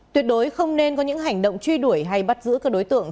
tuyệt đối không nên có những hành động truy đuổi hay bắt giữ các đối tượng